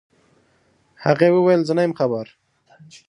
هغې وويل زه نه يم خبر.